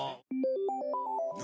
何？